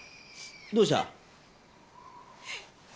どうした？